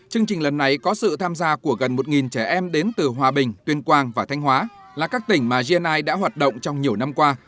chương trình lần này có sự tham gia của gần một trẻ em đến từ hòa bình tuyên quang và thanh hóa là các tỉnh mà gni đã hoạt động trong nhiều năm qua